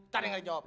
tadi gak dijawab